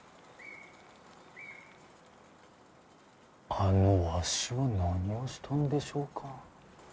あのわしは何をしたんでしょうか？